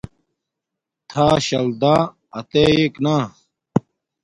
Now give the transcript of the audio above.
تھا ۔شل دا اتییک نا